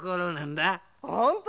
ほんと！